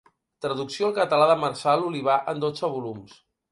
Traducció al català de Marçal Olivar en dotze volums.